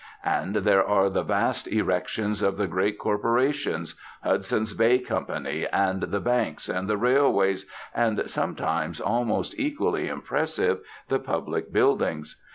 And there are the vast erections of the great corporations, Hudson's Bay Company, and the banks and the railways, and, sometimes almost equally impressive, the public buildings.